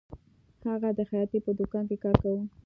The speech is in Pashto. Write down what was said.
هغه د خیاطۍ په دکان کې کار کاوه